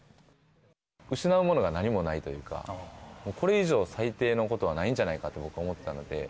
失うものが何もないというか、もうこれ以上、最低のことはないんじゃないかと僕は思ってたので、